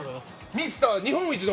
ミスター日本一の。